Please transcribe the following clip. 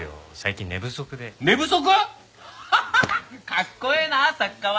かっこええなあ作家は！